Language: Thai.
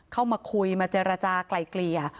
เข้ามาคุยมาเจรจากลายเกลี่ย